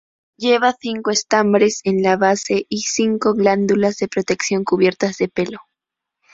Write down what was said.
Lleva cinco estambres en la base y cinco glándulas de protección cubiertas de pelo.